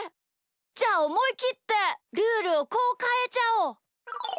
じゃあおもいきってルールをこうかえちゃおう！